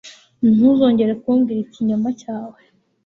Ntuzongere kumbwira ikinyoma cyawe.